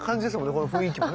この雰囲気もね。